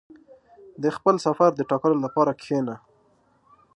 • د خپل سفر د ټاکلو لپاره کښېنه.